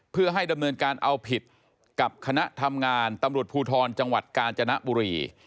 เพื่อให้ดำเนินการเอาผิดกับคณะทำงานตำรวจภูทรจังหวัดกาญจนบุรี